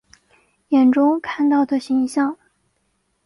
眼中看到的形象